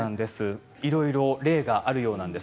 いろいろな例があるようです。